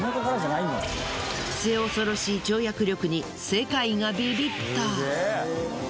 末恐ろしい跳躍力に世界がビビった。